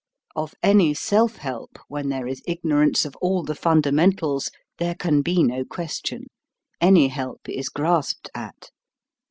Of any self help, when there is igno rance of all the fundamentals, there can be no question. Any help is grasped at.